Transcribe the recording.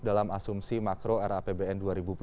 dalam asumsi makro rapbn dua ribu dua puluh